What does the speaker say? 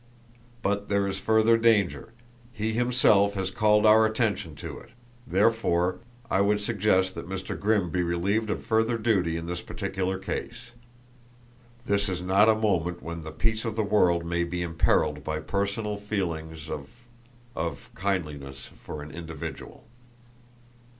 But there is further danger he himself has called our attention to it therefore, I would suggest that Mr. Grimm be relieved of further duty in this particular case. This is not a moment when the peace of the world may be imperiled by personal feelings of of kindliness for an individual."